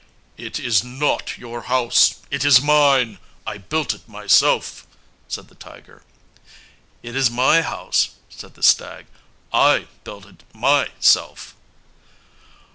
"It is not your house. It is mine. I built it myself," said the tiger. "It is my house," said the stag. "I built it myself."